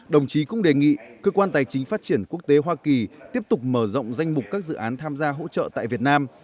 đồng chí cũng đề nghị cơ quan tài chính phát triển quốc tế hoa kỳ tiếp tục mở rộng danh mục các dự án tham gia hỗ trợ tại việt nam